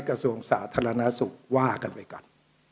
กระทรวงสาธารณสุขว่ากันไปก่อน